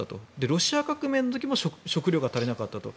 ロシア革命の時も食料が足りなかったと。